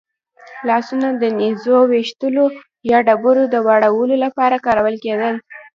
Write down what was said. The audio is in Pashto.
لاسونه د نېزو ویشتلو یا ډبرو د وارولو لپاره کارول کېدل.